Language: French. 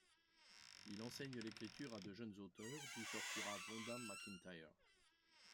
Il enseigne l'écriture à de jeunes auteurs, d'où sortira Vonda McIntyre.